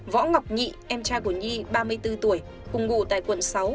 võ ngọc nhị em trai của nhi ba mươi bốn tuổi cùng ngủ tại quận sáu